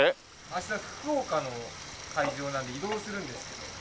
明日福岡の会場なんで移動するんですけど。